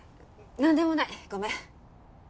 何でもないごめん。